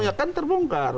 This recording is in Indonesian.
ini ide yang terbongkar